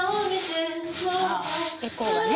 あエコーがね。